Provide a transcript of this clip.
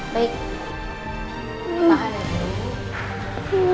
tahan ya ibu